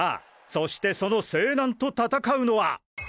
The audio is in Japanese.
そしてその勢南と戦うのは！？